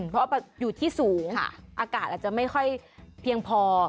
เพราะอยู่ที่สูงอากาศอาจจะไม่ค่อยเพียงพอ